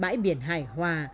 bãi biển hải hòa